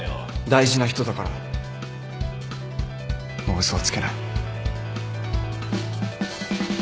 大事な人だからもう嘘はつけない。